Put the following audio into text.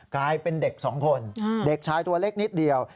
กลายเป็นเด็กสองคนเด็กชายตัวเล็กนิดเดียว